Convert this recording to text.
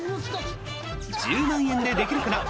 「１０万円でできるかな」